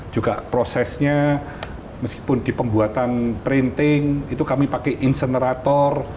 juga prosesnya meskipun di pembuatan printing itu kami pakai insenerator